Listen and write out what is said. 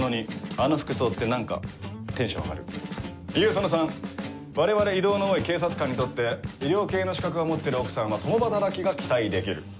その３我々異動の多い警察官にとって医療系の資格を持ってる奥さんは共働きが期待できる。